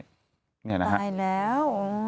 ตายแล้ว